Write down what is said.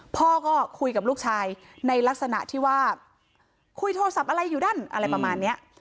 พ่อก็คุยกับลูกชายในลักษณะที่ว่าคุยโทรศัพท์อะไรอยู่นั่นอะไรประมาณเนี้ย